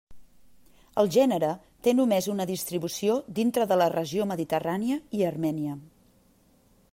El gènere té només una distribució dintre de la regió mediterrània i Armènia.